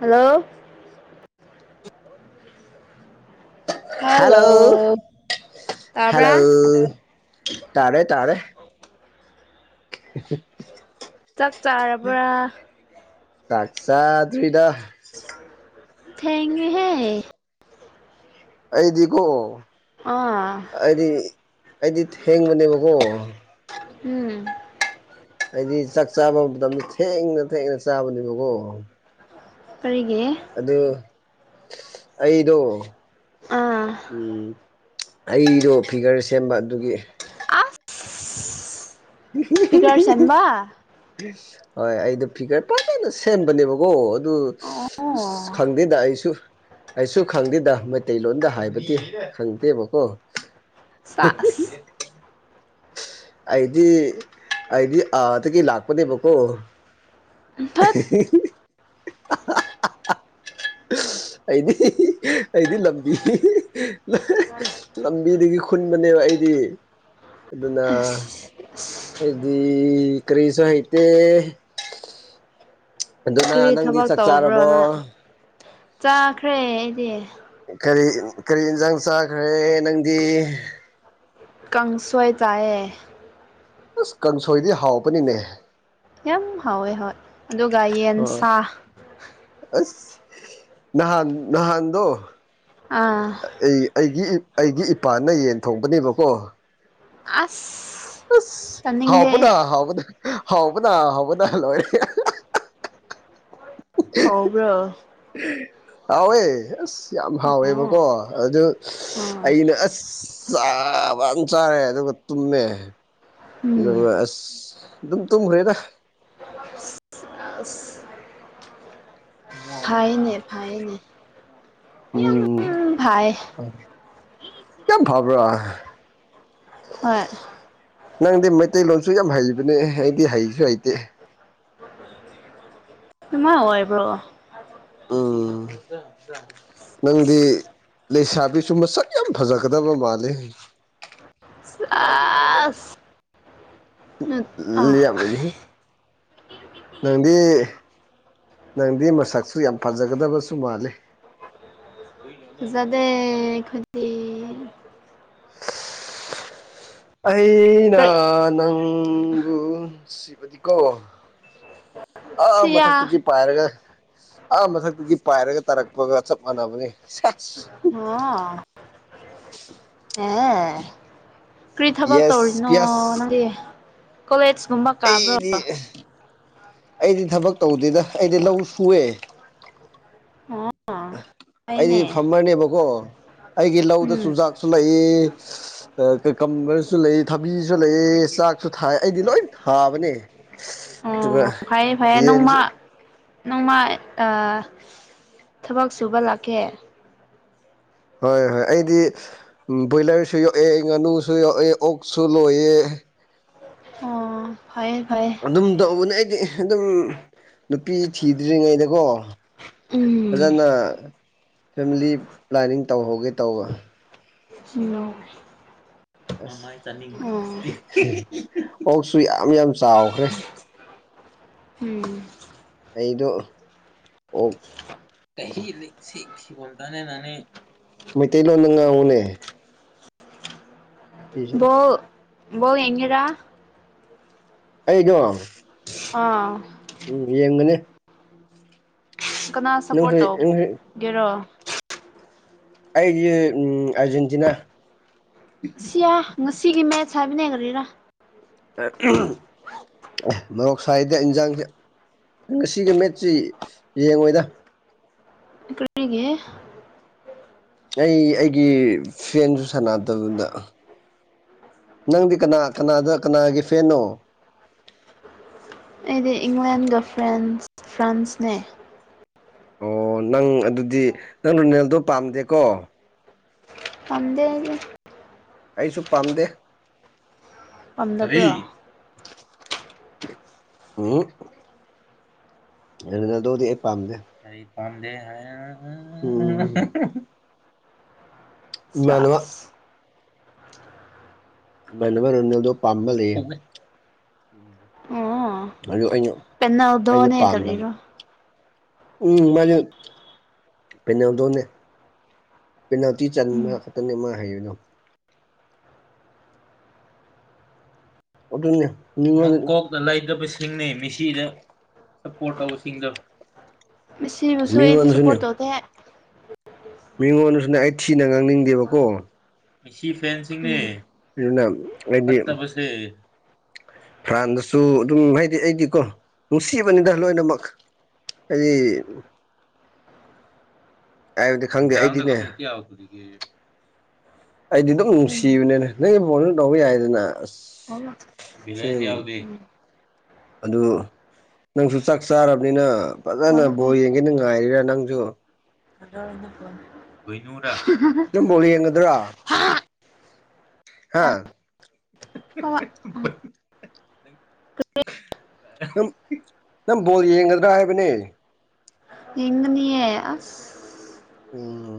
Hello hello hello ꯇꯥꯕ꯭ꯔꯥ ꯇꯥꯔꯦ ꯇꯥꯔꯦ [inaudible] ꯆꯥꯛ ꯆꯥꯔꯕ꯭ꯔꯥ ꯆꯥꯛ ꯆꯥꯗꯔꯤꯗ ꯊꯦꯡꯉꯦꯍꯦ ꯑꯩꯗꯤꯀꯣ ꯑꯥ ꯑꯩꯗꯤ ꯑꯩꯗꯤ ꯊꯦꯡꯕꯅꯦꯕꯀꯣ ꯎꯝ ꯑꯩꯗꯤ ꯆꯥꯛ ꯆꯥꯕ ꯃꯇꯝꯗ ꯊꯦꯡꯅ ꯊꯦꯡꯅ ꯆꯥꯕꯅꯦꯕꯀꯣ ꯀꯔꯤꯒꯤ ꯑꯗꯨ ꯑꯩꯗꯣ ꯑꯥ ꯎꯝ ꯑꯩꯗꯣ ꯐꯤꯒꯔ ꯁꯦꯝꯕ ꯑꯗꯨꯒꯤ ꯑꯥꯁ ꯁꯦꯝꯕ ꯍꯣꯏ ꯑꯩꯗꯣ ꯐꯤꯒꯔ ꯐꯖꯅ ꯁꯦꯝꯕꯅꯦꯕꯀꯣ ꯑꯗꯨ ꯑꯣ [unintelligible] ꯈꯪꯗꯦꯗ ꯑꯩꯁꯨ ꯑꯩꯁꯨ ꯈꯪꯗꯦꯗ ꯃꯩꯇꯩꯂꯣꯟꯗ ꯍꯥꯏꯕꯗꯤ ꯈꯪꯗꯦꯕꯀꯣ ꯁꯥꯁ ꯑꯩꯗꯤ ꯑꯩꯗꯤ ꯑꯥꯗꯒꯤ ꯂꯥꯛꯄꯅꯦꯕꯀꯣ ꯊꯠ [unintelligible] ꯑꯩꯗꯤ ꯑꯩꯗꯤ ꯂꯝꯕꯤ ꯂꯝꯕꯤꯗꯒꯤ ꯈꯨꯟꯕꯅꯦꯕ ꯑꯩꯗꯤ ꯑꯗꯨꯅ ꯑꯁ ꯑꯁ ꯑꯩꯗꯤ ꯀꯔꯤꯁꯨ ꯍꯩꯇꯦ ꯑꯗꯨꯅ ꯀꯔꯤ ꯅꯪꯗꯤ ꯊꯕꯛ ꯆꯥꯛ ꯆꯥꯔꯕꯣ ꯇꯧꯕ꯭ꯔꯣꯅ ꯆꯥꯈ꯭ꯔꯦ ꯑꯩꯗꯤ ꯀꯔꯤ ꯀꯔꯤ ꯏꯟꯁꯥꯡ ꯆꯥꯈ꯭ꯔꯦ ꯅꯪꯗꯤ ꯀꯥꯡꯁꯣꯏ ꯆꯥꯏꯌꯦ ꯑꯁ ꯀꯥꯡꯁꯣꯏꯗꯤ ꯍꯥꯎꯕꯅꯤꯅꯦ ꯌꯥꯝ ꯍꯥꯎꯋꯦ ꯍꯣꯏ ꯑꯗꯨꯒ ꯌꯦꯟ ꯍꯣꯏ ꯁꯥ ꯑꯁ ꯅꯍꯥꯟ ꯅꯍꯥꯟꯗꯣ ꯑꯥ ꯑꯩ ꯑꯩꯒꯤ ꯑꯩꯒꯤ ꯏꯄꯥꯅ ꯌꯦꯟ ꯊꯣꯡꯕꯅꯦꯕꯀꯣ ꯑꯁ ꯑꯁ ꯆꯥꯅꯤꯡꯗꯦ ꯍꯥꯎꯕꯗꯥ ꯑꯩ ꯍꯥꯎꯕꯗ ꯍꯥꯎꯕꯅ ꯍꯥꯎꯕꯅ ꯂꯣꯏꯔꯦ ꯍꯥꯎꯕ꯭ꯔꯣ ꯍꯥꯎꯋꯦ ꯑꯁ ꯌꯥꯝ ꯑꯣ ꯍꯥꯎꯋꯦꯕꯀꯣ ꯑꯗꯨ ꯑꯣ ꯑꯩꯅ ꯑꯁ ꯆꯥ ꯕꯟ ꯆꯥꯔꯦ ꯑꯗꯨꯒ ꯇꯨꯝꯃꯦ ꯅ ꯎꯝ ꯑꯁ ꯑꯗꯨꯝ ꯇꯨꯝꯈ꯭ꯔꯦꯗ [inaudible] ꯐꯩꯅꯦ ꯐꯩꯅꯦ [unintelligible] ꯎꯝ ꯚꯥꯏ ꯌꯥꯝ ꯐꯕ꯭ꯔꯥ ꯍꯣꯏ ꯅꯪꯗꯤ ꯃꯩꯇꯩꯂꯣꯟꯁꯨ ꯌꯥꯝ ꯍꯩꯕꯅꯦ ꯑꯩꯗꯤ ꯍꯩꯁꯨ ꯍꯩꯇꯦ ꯅꯨꯡꯃꯥꯏ ꯑꯣꯏꯕ꯭ꯔꯣ ꯎꯝ ꯅꯪꯗꯤ ꯂꯩꯁꯥꯕꯤꯁꯨ ꯃꯁꯛ ꯌꯥꯝ ꯐꯖꯒꯗꯕ ꯃꯥꯂꯤ ꯑꯁ ꯑꯥ [unintelligible] ꯅꯪꯗꯤ ꯅꯪꯗꯤ ꯃꯁꯛꯁꯨ ꯌꯥꯝ ꯐꯖꯒꯗꯕꯁꯨ ꯃꯥꯜꯂꯤ ꯐꯖꯗꯦ ꯈꯣꯏꯗꯤ ꯑꯩꯅ ꯅꯪꯕꯨ ꯁꯤꯕꯗꯤꯀꯣ ꯑꯥ ꯁꯤꯌꯥ ꯃꯊꯛꯇꯒꯤ ꯄꯥꯏꯔꯒ ꯑꯥ ꯃꯊꯛꯇꯒꯤ ꯄꯥꯏꯔꯒ ꯇꯥꯔꯛꯄꯒ ꯆꯞ ꯃꯥꯟꯅꯕꯅꯤ ꯁꯦꯁ ꯑꯣ [unintelligible] ꯀ꯭ꯔꯤ ꯊꯕꯛ ꯌꯦꯁ ꯇꯧꯔꯤꯅꯣ ꯄꯤꯌꯥꯁ ꯅꯪꯗꯤ ꯀꯣꯂꯦꯖꯒꯨꯝꯕ ꯑꯩꯗꯤ ꯑꯩꯗꯤ ꯊꯕꯛ ꯇꯧꯗꯦꯗ ꯑꯩꯗꯤ ꯂꯧ ꯁꯨꯑꯦ ꯑꯣ ꯑꯩꯗꯤ ꯐꯩꯅꯦ ꯐꯥꯃꯔꯅꯦꯕꯀꯣ ꯑꯩꯒꯤ ꯂꯧꯗ ꯎꯝ ꯆꯨꯖꯥꯛꯁꯨ ꯂꯩꯌꯦ ꯑꯥ ꯀꯀꯝꯕꯔꯁꯨ ꯂꯩꯌꯦ ꯊꯕꯤꯖꯨ ꯂꯩꯌꯦ ꯆꯥꯛꯁꯨ ꯊꯥꯏ ꯑꯩꯗꯤ ꯂꯣꯏ ꯊꯥꯕꯅꯦ ꯑꯗꯨꯒ ꯑꯣ ꯐꯩꯌꯦ ꯐꯩꯌꯦ ꯅꯣꯡꯃ ꯌꯦꯟꯁꯨ ꯅꯣꯡꯃꯥ ꯑ ꯊꯕꯛ ꯁꯨꯕ ꯂꯥꯛꯀꯦ ꯍꯣꯏ ꯍꯣꯏ ꯑꯩꯗꯤ ꯕꯣꯏꯂꯔꯁꯨ ꯌꯣꯛꯑꯦ ꯉꯥꯅꯨꯁꯨ ꯌꯣꯛꯑꯦ ꯑꯣꯛꯁꯨ ꯂꯣꯏꯑꯦ ꯐꯩꯌ‌ꯦ ꯐꯩꯌ‌ꯦ ꯑꯗꯨꯝ ꯇꯧꯕꯅꯦ ꯑꯩꯗꯤ ꯑꯗꯨꯝ ꯅꯨꯄꯤ ꯊꯤꯗ꯭ꯔꯤꯉꯩꯗꯀꯣ ꯎꯝ ꯐꯖꯅ ꯐꯦꯃꯤꯂꯤ ꯄ꯭ꯂꯥꯅꯤꯡ ꯇꯧꯍꯧꯒꯦ ꯇꯧꯕ ꯁꯤꯅꯣ [unintelligible] ꯑꯣꯛꯁꯨ ꯌꯥꯝ ꯌꯥꯝ ꯆꯥꯎꯈ꯭ꯔꯦ ꯎꯝ ꯑꯩꯗꯣ ꯑꯣꯛ [unintelligible] [unintelligible] ꯃꯩꯇꯩꯂꯣꯟꯗ ꯉꯥꯡꯉꯨꯅꯦ ꯁꯤꯁꯦ ꯕ‌ꯣꯜ ꯕꯣꯜ ꯌꯦꯡꯉꯤꯔ ꯑꯩꯗ‌ꯣ ꯑꯥ ꯎꯝ ꯌꯦꯡꯒꯅꯤ ꯀꯅꯥ ꯅꯪꯁꯨ ꯁꯞꯄꯣꯔꯠ ꯅꯪꯁꯨ ꯇꯧꯒꯦꯔꯣ ꯑꯩꯗꯤ ꯎꯝ ꯑꯥꯔꯖꯦꯟꯇꯤꯅꯥ ꯌꯥ ꯉꯁꯤꯒꯤ ꯃꯦꯠꯁ ꯍꯥꯏꯕꯅꯦ ꯀꯔꯤꯔꯥ ꯃ‌ꯣꯔꯣꯛ ꯁꯥꯏꯗ ꯏꯟꯖꯥꯡꯁꯦ꯫ ꯉꯁꯤꯒꯤ ꯃꯦꯠꯁꯤ ꯌꯦꯡꯉꯣꯏꯗ꯫ ꯀꯔꯤꯒꯤ ꯑꯩ ꯑꯩꯒꯤ ꯐꯦꯟꯁꯨ ꯁꯥꯟꯅꯗꯕꯗ꯫ ꯅꯪꯗꯤ ꯀꯅꯥ ꯀꯅꯥꯗ ꯀꯅꯥꯒꯤ ꯐꯦꯟꯅꯣ ꯑꯩꯗꯤ ꯏꯪꯂꯦꯟꯒ ꯐ꯭ꯔꯦꯟꯁ ꯐ꯭ꯔꯥꯟꯁꯅꯦ ꯑꯣ ꯅꯪ ꯑꯗꯨꯗꯤ ꯅꯪ ꯔꯨꯅꯦꯜꯗꯣ ꯄꯥꯝꯗꯦꯀꯣ ꯄꯥꯝꯗ‌ꯦ ꯑꯩꯗꯤ ꯑꯩꯁꯨ ꯄꯥꯝꯗꯦ꯫ ꯄꯝꯗꯕ꯭ꯔꯣ꯫ [unintelligible] ꯔꯨꯅꯥꯜꯗꯣꯗꯤ ꯑꯩ ꯄꯥꯝꯗꯦ ꯀꯔꯤ ꯄꯥꯝꯗꯦ ꯍꯥꯏ [unintelligible] ꯆꯥꯁ ꯏꯃꯥꯟꯅꯕ ꯔꯨꯅꯦꯜꯗꯣ ꯄꯥꯝꯕ ꯂꯩꯌ‌ꯦ ꯑꯣ ꯑꯗꯨ ꯑꯩꯅ ꯑꯩꯅ ꯄꯦꯅꯥꯜꯗꯣꯅꯦ ꯄꯥꯝꯗꯕ ꯀꯔꯤꯔꯣ ꯎꯝ ꯃꯥꯟꯅ‌ꯦ [unintelligible] ꯄꯦꯅꯦꯜꯗꯣꯅꯦ ꯄꯦꯅꯥꯜꯇꯤ ꯆꯟꯕ ꯎꯝ ꯈꯛꯇꯅꯤ ꯃꯥꯅ ꯍꯩꯕꯗ‌ꯣ ꯑꯗꯨꯅꯦ [unintelligible] ꯀꯣꯛꯇ ꯂꯩꯇꯕꯁꯤꯡꯅꯦ ꯃ‌ꯦꯁꯤꯗ ꯁꯞꯄꯣꯔꯠ ꯇꯧꯕꯁꯤꯡꯗꯣ ꯃ‌ꯦꯁꯤꯕꯨꯁꯨ ꯑꯩꯗꯤ ꯁꯞꯄꯣꯔꯠ ꯇꯧꯗꯦ꯫ ꯃꯤꯉꯣꯟꯗꯁꯨꯅ‌ꯦ ꯑꯩ ꯊꯤꯅ ꯉꯥꯡꯅꯤꯡꯗꯦꯕꯀꯣ ꯃ‌ꯦꯁꯤ ꯐꯦꯟꯁꯤꯡꯅꯦ ꯎꯝ [unintelligible] ꯐꯠꯇꯕꯁꯦ ꯐ꯭ꯔꯥꯟꯗꯁꯨ ꯑꯗꯨꯝ ꯍꯥꯏꯗꯤ ꯑꯩꯗꯤꯀꯣ ꯅꯨꯡꯁꯤꯕꯅꯤꯗ ꯂꯣꯏꯅꯃꯛ꯫ ꯑꯩꯗꯤ ꯈꯪꯗꯦ ꯑꯩꯗꯤꯅꯦ꯫ ꯑꯩꯗꯤ ꯑꯗꯨꯝ ꯅꯨꯡꯁꯤꯕꯅꯤꯅꯦ ꯅꯪꯒꯤ ꯐꯣꯟꯗ ꯇꯧꯕ ꯌꯥꯏꯗꯅ ꯑꯁ [unintelligible] ꯕꯤꯂꯦꯟꯁ ꯌꯥꯎꯗꯦ ꯑꯗꯨ ꯅꯪꯖꯨ ꯆꯥꯛ ꯆꯥꯔꯕꯅꯤꯅ ꯐꯖꯅ ꯕꯣꯜ ꯌꯦꯡꯒꯦꯅ ꯉꯥꯏꯔꯤꯔꯥ ꯅꯪꯖꯨ [unintelligible] ꯄꯣꯏꯅꯨꯗꯥ ꯅꯪꯐꯧ ꯌꯦꯡꯒꯗ꯭ꯔꯥ ꯍꯥꯥ ꯎꯝ ꯅꯪ ꯅꯪ ꯕꯣꯜ ꯌꯦꯡꯒꯗ꯭ꯔꯥ ꯍꯥꯏꯕꯅꯦ ꯌꯦꯡꯅꯤꯌꯦ ꯑꯁ ꯎꯝ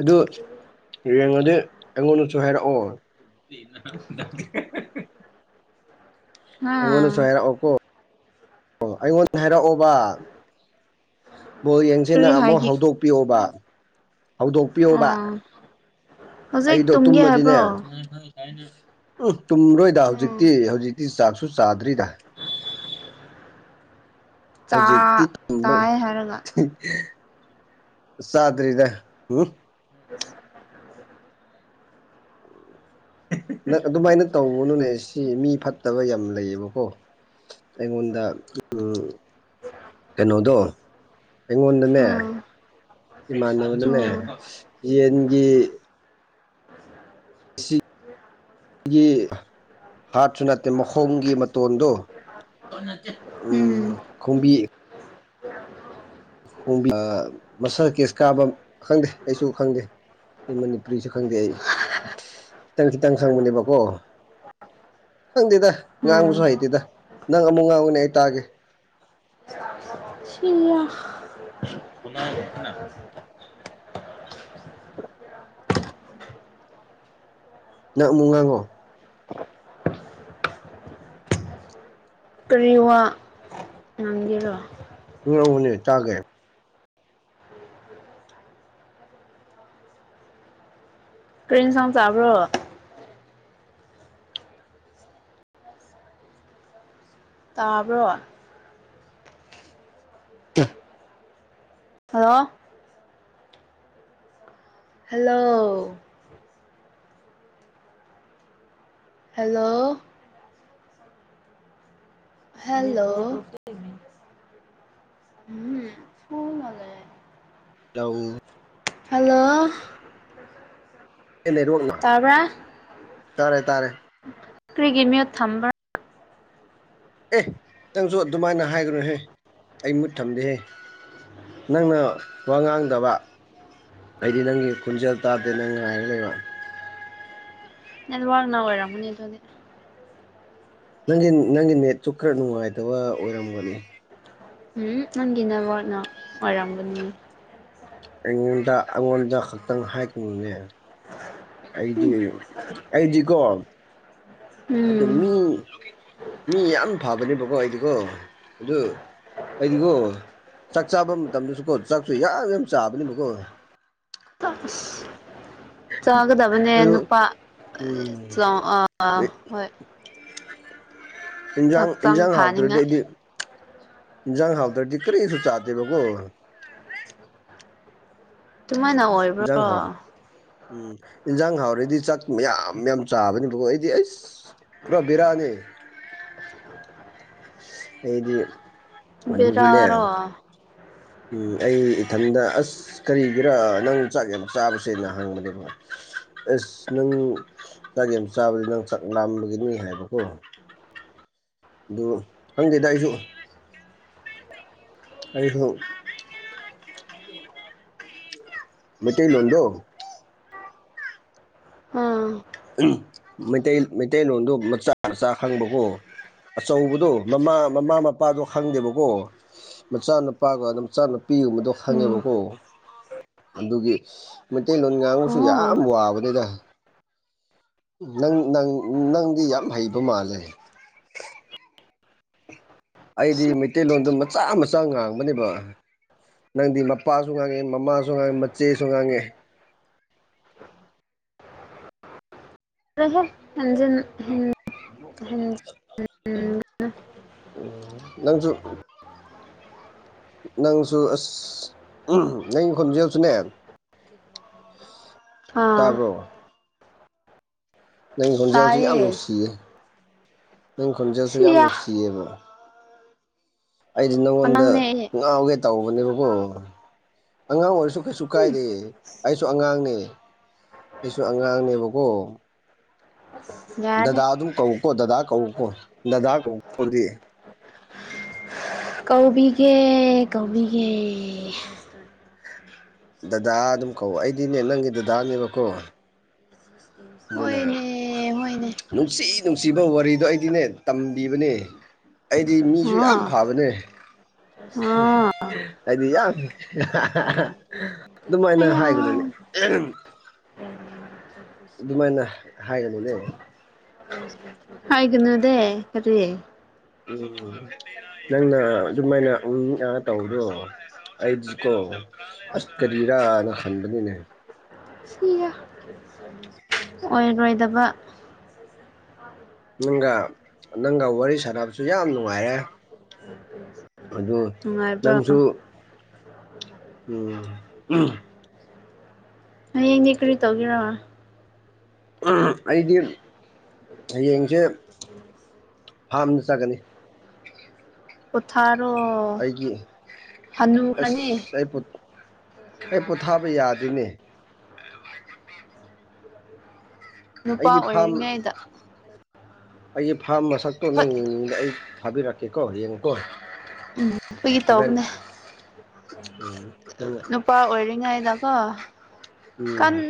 ꯑꯗꯨ ꯌꯦꯡꯉꯗꯤ ꯑꯩꯉꯣꯟꯗꯁꯨ ꯍꯥꯏꯔꯛꯑꯣ [unintelligible] ꯍꯥ ꯑꯩꯉꯣꯟꯗꯁꯨ ꯍꯥꯏꯔꯛꯑꯣꯀꯣ ꯑꯣ ꯑꯩꯉꯣꯟꯗ ꯍꯥꯏꯔꯛꯑꯣꯕ ꯕꯣꯜ ꯌꯦꯡꯁꯤꯟꯅ ꯀꯔꯤ ꯑꯃꯨꯛ ꯍꯥꯏꯒꯦ ꯍꯧꯗꯣꯛꯄꯤꯌꯣꯕ ꯍꯧꯗꯣꯛꯄꯤꯌꯣꯕ ꯎꯝ ꯍꯧꯖꯤꯛ ꯑꯩꯗꯣ ꯇꯨꯝꯒꯦ ꯍꯥꯏꯕ꯭ꯔꯣ ꯇꯨꯝꯃꯗꯤꯅꯦ ꯎꯝ ꯇꯨꯝꯔꯣꯏꯗ ꯎꯝ ꯍꯧꯖꯤꯛꯇꯤ ꯍꯧꯖꯤꯛꯇꯤ ꯆꯥꯛꯁꯨ ꯆꯥꯗ꯭ꯔꯤꯗ ꯆꯥ ꯇꯥꯌꯦ ꯍꯥꯏꯔꯒ ꯑꯦ ꯆꯥꯗ꯭ꯔꯤꯗ ꯎꯝ [unintelligible] ꯑꯗꯨꯃꯥꯏꯅ ꯇꯧꯒꯅꯨꯅꯦ ꯁꯤ ꯃꯤ ꯐꯠꯇꯕ ꯌꯥꯝ ꯂꯩꯌꯦꯕꯀꯣ ꯑꯩꯉꯣꯟꯗ ꯎꯝ ꯀꯩꯅꯣꯗꯣ ꯑꯩꯉꯣꯟꯗꯅꯦ ꯎꯝ ꯏꯃꯥꯟꯅꯕꯅꯅꯦ ꯎꯝ ꯌꯦꯟꯒꯤ ꯒꯤ ꯍꯥꯠꯁꯨ ꯅꯠꯇꯦ ꯃꯈꯣꯡꯒꯤ ꯃꯇꯣꯟꯗ ꯎꯝ ꯈꯣꯡꯕꯤ ꯈꯣꯡꯕꯤ ꯃꯁꯜ ꯀꯦꯁ ꯀꯥꯕ ꯈꯪꯗꯦ ꯑꯩꯁꯨ ꯈꯪꯗꯦ ꯑꯩ ꯃꯅꯤꯄꯨꯔꯤꯁꯨ ꯈꯪꯗꯦ ꯑꯩ ꯈꯤꯇꯪ ꯈꯤꯇꯪ ꯈꯪꯕꯅꯦꯕꯀꯣ ꯈꯪꯗꯦꯗ ꯎꯝ ꯉꯥꯡꯕꯁꯨ ꯍꯩꯇꯦꯗ ꯅꯪ ꯑꯃꯨꯛ ꯉꯥꯡꯉꯣꯅꯦ ꯑꯩ ꯇꯥꯒꯦ ꯑ ꯁꯤꯌꯥ [unintelligible] ꯉꯪꯃꯨꯛ ꯉꯥꯡꯉꯣ ꯀꯔꯤꯋꯥ ꯉꯥꯡꯒꯦꯔꯣ ꯉꯥꯡꯉꯛꯎꯅ‌ꯦ ꯇꯥꯒ‌ꯦ ꯀꯔꯤ ꯏꯟꯁꯥꯡ ꯆꯕꯔꯣ ꯇꯥꯕ꯭ꯔꯣ [unintelligible] ꯍꯜꯂꯣ ꯍꯜꯂꯣ ꯍꯦꯜꯂꯣ ꯍꯦꯂꯣ [unintelligible] [unintelligible] ꯂꯧ ꯍꯜꯂꯣ ꯅꯦꯠ ꯋꯥꯛꯅ ꯇꯥꯕ꯭ꯔꯥ ꯇꯔꯦ ꯇꯥꯔꯦ ꯀ꯭ꯔꯤꯒꯤ ꯃꯤꯎꯠ ꯊꯝꯝꯕ꯭ꯔ ꯑꯦ ꯅꯪꯁꯨ ꯑꯗꯨꯃꯥꯏꯅ ꯍꯥꯏꯒꯅꯨꯍꯦ ꯑꯩ ꯃꯨꯠ ꯊꯝꯗꯦꯍꯦ ꯅꯪꯅ ꯋꯥ ꯉꯥꯡꯗꯕ ꯑꯩꯗꯤ ꯅꯪꯒꯤ ꯈꯣꯟꯖꯦꯜ ꯇꯥꯗꯦ ꯅꯪ ꯉꯥꯏꯔꯒ ꯂꯩꯕ꯫ ꯋꯥꯂꯅꯦꯠꯅ ꯑꯣꯏꯔꯝꯃꯅꯦ ꯑꯗꯨꯅꯤ꯫ ꯅꯪꯒꯤ ꯅꯪꯒꯤ ꯅꯦꯠꯁꯨ ꯈꯔ ꯅꯨꯡꯉꯥꯏꯇꯕ ꯑꯣꯏꯔꯝꯒꯅꯤ ꯎꯝ ꯅꯪꯒꯤ ꯅꯕꯣꯔꯅ ꯑꯣꯏꯔꯝꯒꯅꯤ ꯑꯩꯉꯣꯟꯗ ꯑꯩꯉꯣꯟꯗ ꯈꯛꯇꯪ ꯍꯥꯏꯒꯅꯨꯅꯦ꯫ ꯑꯩꯗꯤ ꯑꯩꯗꯤꯀꯣ꯫ ꯑꯗꯨ ꯎꯝ ꯃꯤ ꯃꯤ ꯌꯥꯝ ꯐꯕꯅꯦꯕꯀꯣ ꯑꯩꯗꯤꯀꯣ ꯑꯗꯨ ꯑꯩꯗꯤꯀꯣ ꯆꯥꯛ ꯆꯥꯕ ꯃꯇꯝꯗꯁꯨ ꯀꯣ ꯆꯥꯛꯁꯨ ꯌꯥꯝ ꯌꯥꯝ ꯆꯥꯕꯅꯦꯕꯀꯣ [unintelligible] ꯆꯥꯒꯗꯕꯅꯦ ꯑꯗꯨ ꯅꯨꯄꯥ ꯎꯝ ꯑꯥ ꯍꯣꯏ ꯏꯟꯖꯥꯡ ꯍꯛꯆꯥꯡ ꯏꯟꯁꯥꯡ ꯍꯥꯎꯇ꯭ꯔꯗꯤ ꯐꯥꯅꯤꯡꯉꯥꯏ ꯑꯩꯗꯤ ꯏꯟꯖꯥꯡ ꯍꯥꯎꯗ꯭ꯔꯗꯤ ꯀꯔꯤꯁꯨ ꯆꯥꯗꯦꯕꯀꯣ ꯑꯗꯨꯃꯥꯏꯅ ꯑꯣꯏꯕ꯭ꯔꯣ ꯏꯟꯖꯥꯡ ꯍꯥꯎ ꯎꯝ ꯏꯟꯖꯥꯡ ꯍꯥꯎꯔꯗꯤ ꯆꯥꯛ ꯃꯌꯥꯝ ꯌꯥꯝ ꯆꯥꯕꯅꯦꯕꯀꯣ ꯑꯩꯗꯤ ꯑꯁ꯫ ꯄꯨꯔꯥ ꯕꯤꯔꯅꯤ ꯑꯩꯗꯤ ꯕꯤ ꯂ ꯕꯦꯔꯥꯔꯣ ꯎꯝ ꯑꯩ ꯏꯊꯟꯗ ꯑꯁ ꯀꯔꯤꯒꯤꯔ ꯅꯪ ꯆꯥꯛ ꯌꯦꯕ ꯆꯥꯕꯁꯦꯅ ꯍꯪꯕꯅꯦꯕ꫰꫰ ꯅꯪ ꯆꯥꯛꯌꯥꯝ ꯆꯥꯕꯗꯤ ꯅꯪ ꯆꯥꯛ ꯂꯥꯝꯕꯒꯤꯅꯤ ꯍꯥꯏꯕꯀꯣ꯫ ꯑꯗꯨ ꯈꯪꯗꯦꯗ ꯑꯩꯁꯨ ꯑꯩꯍꯣ ꯃꯩꯇꯩꯂꯣꯟꯗꯣ ꯑꯥ ꯃꯩꯇꯩ ꯃꯩꯇꯩꯂꯣꯟꯗꯣ ꯃꯆꯥ ꯃꯆꯥ ꯈꯪꯕꯀꯣ ꯑꯆꯧꯕꯗꯣ ꯃꯃꯥ ꯃꯃꯥ ꯃꯄꯥꯗꯣ ꯈꯪꯗꯦꯕꯀꯣ꯫ ꯃꯆꯥ ꯅꯨꯨꯄꯥꯒ ꯑꯗꯨꯝ ꯃꯆꯥ ꯅꯨꯄꯤꯒꯨꯝ ꯃꯗꯣ ꯎꯝ ꯈꯪꯉꯦꯕꯀꯣ꯫ ꯑꯗꯨꯒꯤ ꯃꯩꯇꯩꯂꯣꯟ ꯉꯥꯡꯕꯁꯨ ꯑꯣ ꯌꯥꯝ ꯋꯥꯕꯅꯤꯗ꯫ ꯅꯪ ꯅꯪ ꯅꯪꯗꯤ ꯌꯥꯝ ꯍꯩꯕ ꯃꯥꯜꯂꯦ ꯑꯩꯗꯤ ꯃꯩꯇꯩꯂꯣꯟꯗ ꯃꯆꯥ ꯃꯆꯥ ꯉꯥꯡꯕꯅꯦꯕ ꯅꯪꯗꯤ ꯃꯄꯥꯁꯨ ꯉꯥꯡꯉꯦ ꯃꯃꯥꯁꯨ ꯉꯥꯡꯉꯦ ꯃꯆꯦꯁꯨ ꯉꯥꯡꯉꯦ ꯑꯗꯨꯔ ꯍꯦ ꯏꯟꯖꯤꯟ ꯎꯝ ꯎꯝ ꯅꯪꯁꯨ ꯅꯪꯁꯨ ꯑꯁ ꯅꯪꯒꯤ ꯈꯣꯟꯖꯦꯜꯁꯨꯅꯦ ꯑꯥ ꯇꯥꯔꯕꯣ ꯅꯪ ꯈꯣꯟꯖꯦꯜꯁꯨ ꯌꯥꯝ ꯇꯥꯏꯌꯦ ꯅꯨꯡꯁꯤꯌꯦ꯫ ꯅꯪ ꯈꯣꯟꯖꯦꯜꯁꯨ ꯌꯥꯝ ꯁꯤꯌꯥ ꯅꯨꯡꯁꯤꯌꯦꯕ ꯑꯩꯗꯤ ꯅꯪꯉꯣꯟꯗ ꯑꯉꯥꯡꯅꯦ ꯑꯩ ꯉꯥꯎꯒꯦ ꯇꯧꯕꯅꯦꯕꯀꯣ ꯑꯉꯥꯡ ꯑꯣꯏꯔꯁꯨ ꯀꯩꯁꯨ ꯀꯥꯏꯗꯦ ꯑꯩꯁꯨ ꯑꯉꯥꯡꯅꯦ ꯑꯩꯁꯨ ꯑꯉꯥꯡꯅꯦꯕꯀꯣ꯫ ꯌꯥꯔꯦ ꯗꯗꯥ ꯑꯗꯨꯝ ꯀꯧꯎꯀꯣ ꯗꯗꯥ ꯀꯧꯎꯀꯣ ꯗꯗꯥ ꯀꯧꯣꯗꯤ ꯀꯧꯕꯤꯒꯦ ꯀꯧꯕꯤꯒꯦ ꯗꯗꯥ ꯑꯗꯨꯝ ꯀꯧ ꯑꯩꯗꯤꯅꯦ ꯅꯪꯒꯤ ꯗꯗꯥꯅꯦꯕꯀꯣ ꯑꯗꯨꯅ ꯍꯣꯏꯅꯦ ꯍꯣꯏꯅꯦ ꯅꯨꯡꯁꯤ ꯅꯨꯡꯁꯤꯕ ꯋꯥꯔꯤꯗꯣ ꯑꯩꯗꯤꯅꯦ ꯇꯝꯕꯤꯕꯅꯦ ꯑꯩꯗꯤ ꯃꯤꯁꯨ ꯌꯥꯝ ꯑꯥ ꯐꯕꯅꯦ ꯑꯥ ꯍꯥꯏꯗꯤ ꯌꯥꯝ ꯑꯗꯨꯃꯥꯏꯅ ꯑꯌꯥ ꯍꯥꯏꯒꯗꯅꯤ ꯑꯗꯨꯃꯥꯏꯅ ꯍꯥꯏꯒꯅꯨꯅꯦ ꯍꯥꯏꯒꯅꯗꯦ ꯈꯔꯤ [unintelligible] ꯅꯪꯅ ꯑꯗꯨꯃꯥꯏꯅ ꯎꯝ ꯑꯥ ꯇꯧꯕꯗꯣ ꯑꯩꯗꯤꯀꯣ ꯑꯁ ꯀꯔꯤꯔꯅ ꯍꯟꯕꯅꯤꯅꯦ ꯑꯣꯏꯔꯣꯏꯗꯕ ꯅꯪꯒ ꯅꯪꯒ ꯋꯥꯔꯤ ꯁꯥꯟꯅꯕꯁꯨ ꯌꯥꯝ ꯅꯨꯡꯉꯥꯏꯌꯦ ꯑꯗꯨ ꯅꯨꯡꯉꯥꯏꯕ꯭ꯔꯣ ꯅꯪꯁꯨ ꯎꯝ꯫ ꯍꯌꯦꯡꯗꯤ ꯀꯔꯤ ꯇꯧꯒꯦꯔ ꯑꯩꯗꯤ ꯍꯌꯦꯡꯁꯦ [unintelligible] ꯐꯥꯝꯗ ꯆꯥꯠꯀꯅꯤ꯫ ꯄꯣꯊꯥꯔꯣ ꯑꯩꯒꯤ ꯑꯁ ꯍꯅꯨꯈ꯭ꯔꯅꯤ ꯑꯩ ꯑꯩ ꯄꯣꯊꯥꯕ ꯌꯥꯗꯦꯅꯦ꯫ ꯅꯨꯄꯥ ꯑꯩꯒꯤ ꯐꯥꯝ ꯑꯣꯏꯔꯤꯉꯩꯗ꯫ ꯑꯩꯒꯤ ꯐꯥꯝ ꯃꯁꯛꯇꯣ ꯅꯪ ꯍꯣꯏ ꯌꯦꯡꯅꯤꯡꯕ ꯑꯩ ꯊꯥꯕꯤꯔꯛꯀꯦꯀꯣ ꯌꯦꯡꯎ ꯀꫭ‌ ꯎꯝ ꯐꯥꯒꯤ ꯍꫭꫪꯦꯟ ꯇꯧꯕꯅꯦ ꯅꯨꯄꯥ ꯑꯣꯏꯔꯤꯉꯩꯗꯀꯣ ꯀꯟ ꯎꯝ